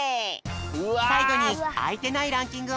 さいごにあいてないランキングをみてみよう！